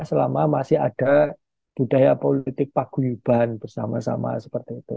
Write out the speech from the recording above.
selama masih ada budaya politik paguyuban bersama sama seperti itu